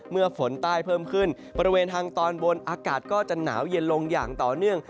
เมื่อฝนใต้เพิ่มขึ้นบริเวณทางตอนบนอากาศก็จะหนาวเย็นลงอย่างต่อเนื่อง